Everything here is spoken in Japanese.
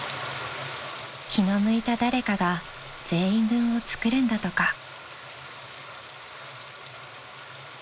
［気の向いた誰かが全員分を作るんだとか］